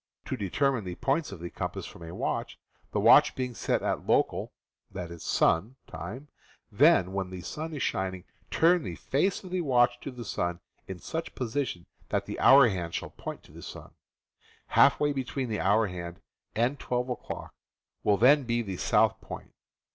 To determine the points of the compass from a watch: The watch being set by local (sun) time, then, when the sun is shining, turn the face of the watch to the sun in such position that the hour hand shall point to the sun. Half way between the hour hand and 12 o'clock will then be the south point.